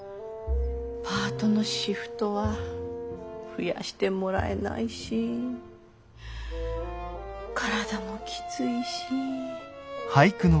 パートのシフトは増やしてもらえないし体もきついし。